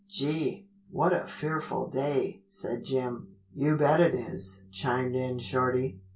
"Gee, what a fearful day," said Jim. "You bet it is," chimed in Shorty.